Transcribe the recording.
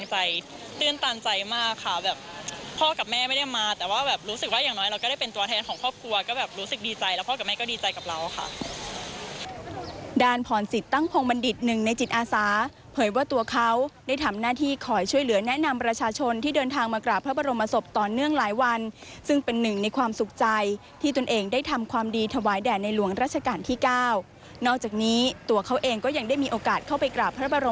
ด้านพรสิทธิ์ตั้งพงศ์บัณฑิตหนึ่งในจิตอาสาเผยว่าตัวเขาได้ทำหน้าที่คอยช่วยเหลือแนะนำประชาชนที่เดินทางมากราบพระบรมศพต่อเนื่องหลายวันซึ่งเป็นหนึ่งในความสุขใจที่ตนเองได้ทำความดีถวายแด่ในหลวงราชการที่เก้านอกจากนี้ตัวเขาเองก็ยังได้มีโอกาสเข้าไปกราบพระบรม